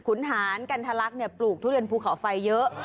คุณหารกันทะลักษณ์ปลูกทุเรียนภูเขาไฟเยอะ